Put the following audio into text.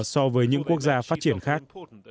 so với những quốc gia phát triển khác